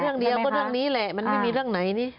เรื่องเดียวก็เรื่องนี้แหละมันไม่มีเรื่องไหนนี่